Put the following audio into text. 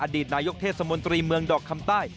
ดีตนายกเทศมนตรีเมืองดอกคำใต้